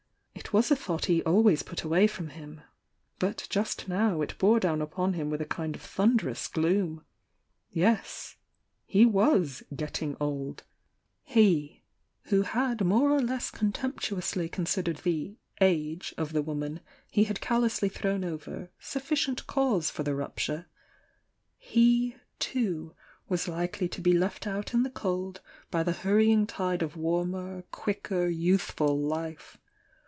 It was a thou^t he always put away from him— but just now it bore down upon him with a kind of thunder ous ^oom. Yes— he was "getting old,"— he, who had more or less contemptuously considered the a^ of the woman he had callously thrown over suffi cient cause for the rupture,— he, too, was likely to be left out in the cold by the hurrying tide of warm er, quicker, yov^hful life.